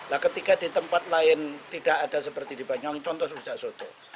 nah ketika di tempat lain tidak ada seperti di banyuwangi contoh sujak soto